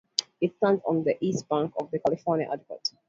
It stands on the east bank of the California Aqueduct.